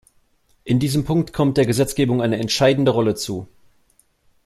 In diesem Punkt kommt der Gesetzgebung eine entscheidende Rolle zu.